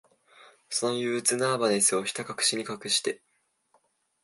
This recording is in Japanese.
その憂鬱、ナーバスネスを、ひたかくしに隠して、